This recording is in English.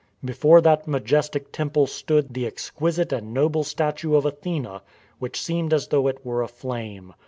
Before that majestic temple stood the exquisite and noble statue of Athene which seemed as though it were aflame.